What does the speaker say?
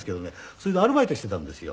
それでアルバイトしてたんですよ。